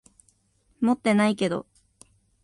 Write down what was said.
持ってないけど。